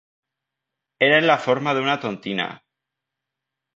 Era en la forma d'una tontina.